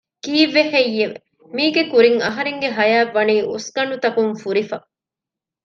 ކީއްވެ ހެއްޔެވެ؟ މީގެ ކުރިން އަހަރެންގެ ހަޔާތް ވަނީ އުސްގަނޑުތަކުން ފުރިފަ